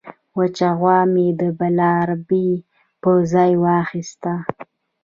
وچه غوا مې د بلاربې په ځای واخیسته.